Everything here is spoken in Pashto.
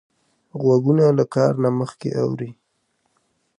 غوږونه له کار نه مخکې اوري